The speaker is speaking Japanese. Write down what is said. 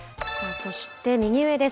そして右上です。